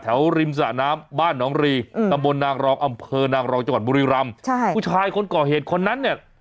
ริมสะน้ำบ้านหนองรีตำบลนางรองอำเภอนางรองจังหวัดบุรีรำใช่ผู้ชายคนก่อเหตุคนนั้นเนี่ย